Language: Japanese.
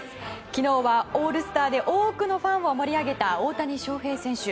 昨日はオールスターで多くのファンを盛り上げた大谷翔平選手。